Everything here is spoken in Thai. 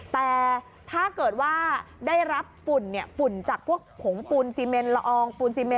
แต่ถ้าเกิดว่าได้รับฝุ่นฝุ่นจากพวกของปูนซีเม็นละออง